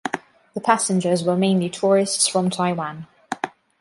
The passengers were mainly tourists from Taiwan.